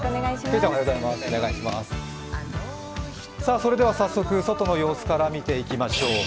それでは早速、外の様子から見ていきましょう。